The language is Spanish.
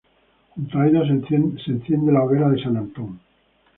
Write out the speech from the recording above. Junto a ella se enciende la hoguera de San Antón.